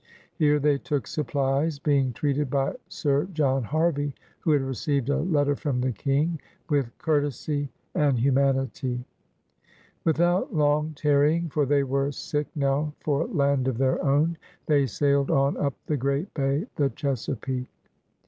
Here they took supplies, being treated by Sir John Harvey (who had received a letter from the King) with "courtesy and himian 126 PIONEERS OP THE OLD SOUTH ity/* Without long tarrying, for they were sick now for land of their own, they sailed on up the great bay, the Chesapeake.